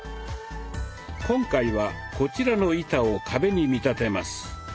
今回はこちらの板を壁に見立てます。